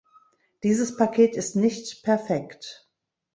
Dieses Paket ist nicht perfekt.